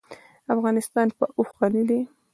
افغانستان په اوښ غني دی.